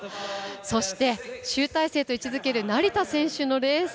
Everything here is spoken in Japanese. そして、集大成と位置づける成田選手のレース。